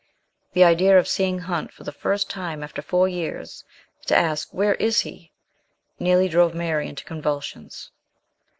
The idea of seeing Hunt for the first time after four years, to ask " Where is he ?" nearly drove Mary into convulsions.